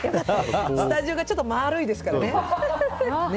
スタジオがちょっと丸いですからね。